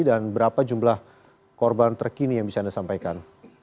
dan berapa jumlah korban terkini yang bisa anda sampaikan